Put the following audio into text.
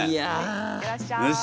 行ってらっしゃい。